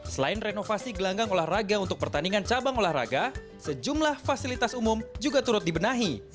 selain renovasi gelanggang olahraga untuk pertandingan cabang olahraga sejumlah fasilitas umum juga turut dibenahi